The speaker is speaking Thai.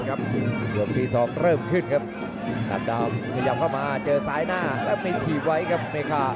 กับตัวพี่สองเริ่มขึ้นครับดับดำขยับเข้ามาเจอสายหน้าแล้วมีถีบไว้กับเมฆา